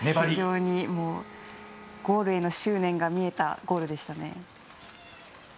非常にゴールへの執念が見えたゴールでしたね。